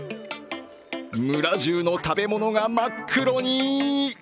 村じゅうの食べ物が真っ黒に。